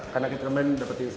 karena kita kemarin dapetin salsi